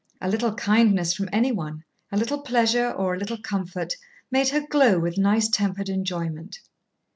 A little kindness from any one, a little pleasure or a little comfort, made her glow with nice tempered enjoyment.